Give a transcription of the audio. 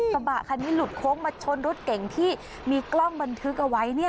กระบะคันนี้หลุดโค้งมาชนรถเก่งที่มีกล้องบันทึกเอาไว้